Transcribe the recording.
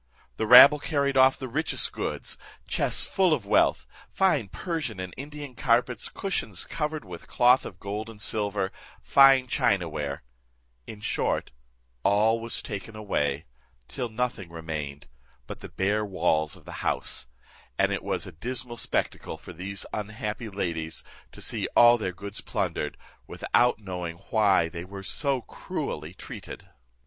The rabble carried off the richest goods, chests full of wealth, fine Persian and Indian carpets, cushions covered with cloth of gold and silver, fine China ware; in short, all was taken away, till nothing remained but the bare walls of the house: and it was a dismal spectacle for the unhappy ladies, to see all their goods plundered, without knowing why they were so cruelly treated.